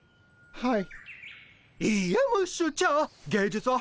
はい！